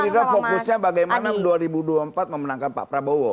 gerindra fokusnya bagaimana dua ribu dua puluh empat memenangkan pak prabowo